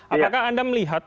apakah anda melihat